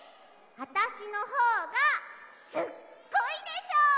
あたしのほうがすっごいでしょ？